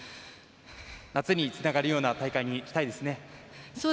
夏につながるような大会にしたいですね。